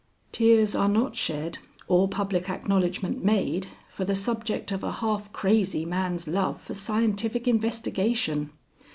"Tears are not shed or public acknowledgment made for the subject of a half crazy man's love for scientific investigation.